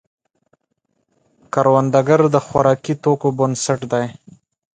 کروندګر د خوراکي توکو بنسټ دی